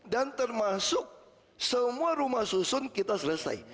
dan termasuk semua rumah susun kita selesai